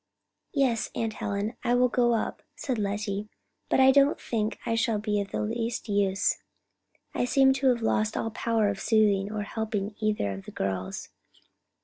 "Yes, Aunt Helen, I will go up," said Lettie; "but I don't think I shall be of the least use. I seem to have lost all power of soothing or helping either of the girls.